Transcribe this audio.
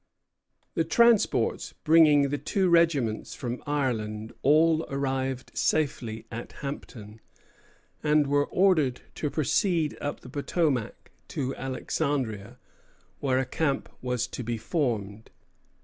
The transports bringing the two regiments from Ireland all arrived safely at Hampton, and were ordered to proceed up the Potomac to Alexandria, where a camp was to be formed.